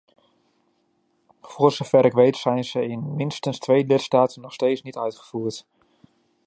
Voor zover ik weet, zijn ze in minstens twee lidstaten nog steeds niet uitgevoerd.